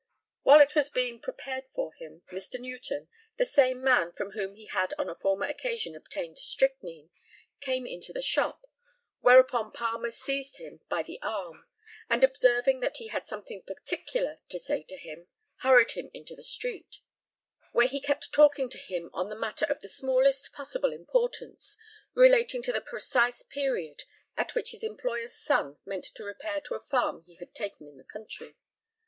While it was being prepared for him, Mr. Newton, the same man from whom he had on a former occasion obtained strychnine, came into the shop, whereupon Palmer seized him by the arm, and observing that he had something particular to say to him, hurried him into the street, where he kept talking to him on a matter of the smallest possible importance, relating to the precise period at which his employer's son meant to repair to a farm he had taken in the country.